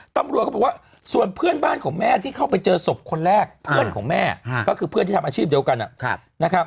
ตำรวจก็บอกว่าส่วนเพื่อนบ้านของแม่ที่เข้าไปเจอศพคนแรกเพื่อนของแม่ก็คือเพื่อนที่ทำอาชีพเดียวกันนะครับ